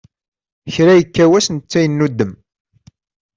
Kra yekka wass netta yennudem.